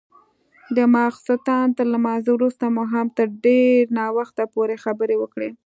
د ماخستن تر لمانځه وروسته مو هم تر ډېر ناوخته پورې خبرې وکړې.